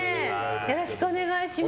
よろしくお願いします。